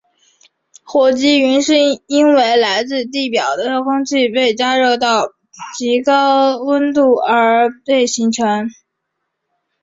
火积云是因为来自地表的空气被加热到极高温而形成。